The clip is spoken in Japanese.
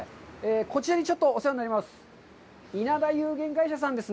こちらにちょっとお世話になります。